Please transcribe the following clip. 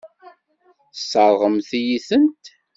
Tesseṛɣemt-iyi-tent.